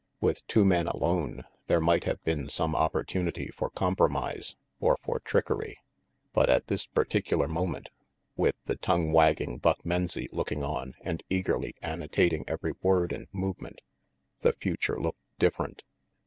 With two men alone, there might have been some opportunity for com promise, or for trickery. But at this particular moment, with the tongue wagging Buck Menzie looking on and eagerly annotating every word and movement, the future looked different.